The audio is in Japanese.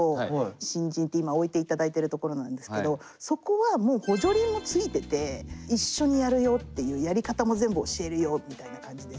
新人って今置いていただいてるところなんですけどそこはもう補助輪も付いてて一緒にやるよっていうやり方も全部教えるよみたいな感じです。